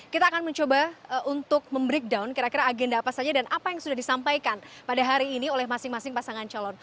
kita akan mencoba untuk membreakdown kira kira agenda apa saja dan apa yang sudah disampaikan pada hari ini oleh masing masing pasangan calon